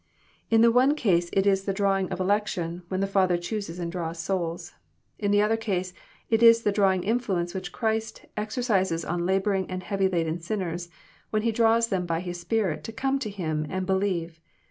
In the one case it is the drawing of election, when the Father chooses and draws souls. In the other case, it Is the drawing influence which Christ exercises on labouring and heavy laden sinners, when He draws them by His spirit tc come to Him and believe.